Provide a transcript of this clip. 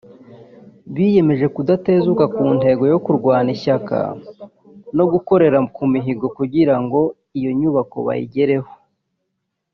Biyemeje kudatezuka ku ntego yo kurwana ishyaka no gukorera ku mihigo kugira ngo iyo nyubako bayigereho